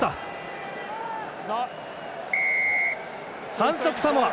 反則、サモア。